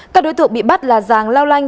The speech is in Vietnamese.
các đối tượng bị bắt là giàng lao lanh